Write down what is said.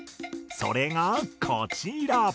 それがこちら。